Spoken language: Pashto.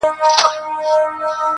• کيسه د بحث مرکز ګرځي تل..